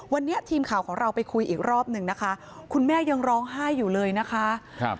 วันนี้ทีมข่าวของเราไปคุยอีกรอบหนึ่งนะคะคุณแม่ยังร้องไห้อยู่เลยนะคะครับ